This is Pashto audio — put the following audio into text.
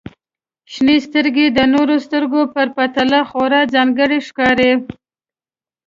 • شنې سترګې د نورو سترګو په پرتله خورا ځانګړې ښکاري.